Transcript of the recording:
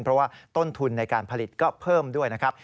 เพราะว่าต้นทุนในการผลิตก็เพิ่มด้วยนะครับ